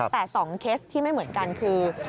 แต่๒เคสที่ไม่เหมือนกันคือ